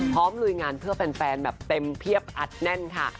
ลุยงานเพื่อแฟนแบบเต็มเพียบอัดแน่นค่ะ